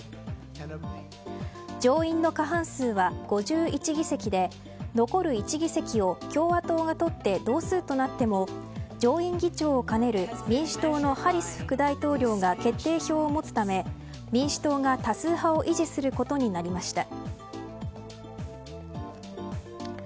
上位の過半数は５１議席で残る１議席を共和党が取って同数となっても上院議長を兼ねる民主党のハリス副大統領が決定票を持つため民主党が多数派を維持することになりました。